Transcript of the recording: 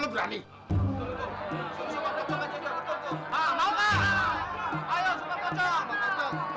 kau berani enggak